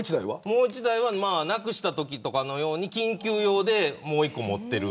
もう１台は、なくしたとき用に緊急用でもう１個持っている。